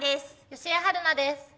吉江晴菜です。